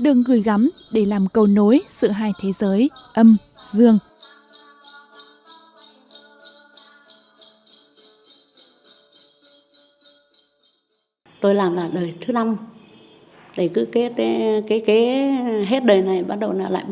đừng gửi gai đừng gửi gai